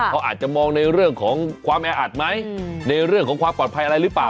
เขาอาจจะมองในเรื่องของความแออัดไหมในเรื่องของความปลอดภัยอะไรหรือเปล่า